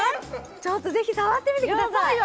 ちょっとぜひ触ってみてくださいやばい